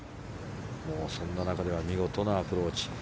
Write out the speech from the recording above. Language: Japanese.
そんな中では見事なアプローチ。